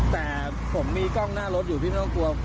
แต่ผมมีกล้องหน้ารถอยู่พี่ไม่ต้องกลัว